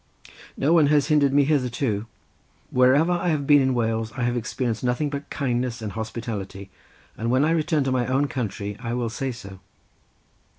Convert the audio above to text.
"No one has hindered me hitherto. Wherever I have been in Wales I have experienced nothing but kindness and hospitality, and when I return to my own country I will say so."